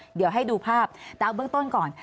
เดี๋ยวให้ดูภาพแต่เอาเบื้องต้นก่อน